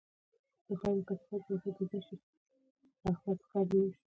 دوی په تولیدي فعالیتونو کې هم کارول کیږي.